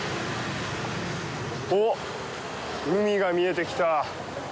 おっ、海が見えてきた！